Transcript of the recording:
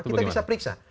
kita bisa periksa